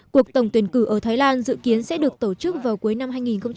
cuộc tổng tuyển cử ở thái lan dự kiến sẽ được tổ chức vào cuối năm hai nghìn hai mươi